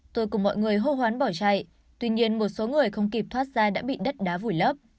tôi cùng mọi người hô hoán bỏ chạy tuy nhiên một số người không kịp thoát ra đã bị đất đá vùi lấp